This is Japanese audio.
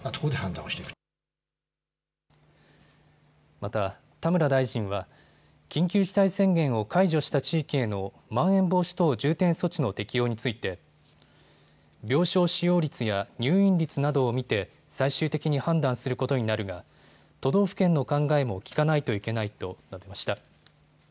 また、田村大臣は緊急事態宣言を解除した地域へのまん延防止等重点措置の適用について病床使用率や入院率などを見て最終的に判断することになるが都道府県の考えも聞かないといけないと述べました。